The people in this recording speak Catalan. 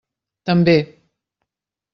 També.